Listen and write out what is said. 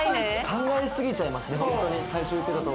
考えすぎちゃいますね。